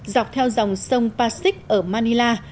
dọc theo dòng sông pasig ở manila